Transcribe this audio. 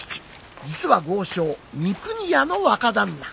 実は豪商・三国屋の若旦那。